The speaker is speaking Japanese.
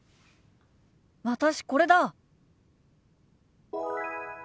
私これだ。